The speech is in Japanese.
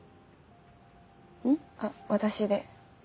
あっ私で。